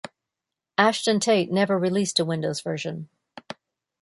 Ashton-Tate never released a Windows version.